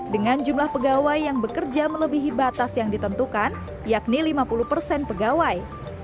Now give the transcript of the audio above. dengan jumlah pegawai yang bekerja melebihi batas yang ditentukan yakni lima puluh persen pegawai